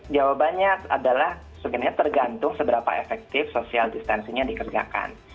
jawabannya adalah sebenarnya tergantung seberapa efektif social distancingnya dikerjakan